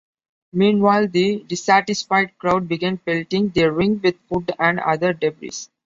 Meanwhile, the dissatisfied crowd began pelting the ring with food and other debris.